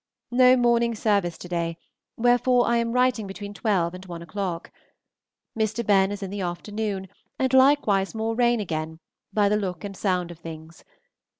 No morning service to day, wherefore I am writing between twelve and one o'clock. Mr. Benn in the afternoon, and likewise more rain again, by the look and the sound of things.